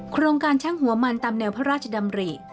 โครงการช่างหัวมันตามแนวพระราชดำริ